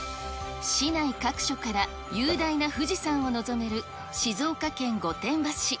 市内各所から雄大な富士山を望める静岡県御殿場市。